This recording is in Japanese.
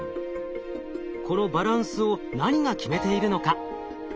このバランスを何が決めているのか？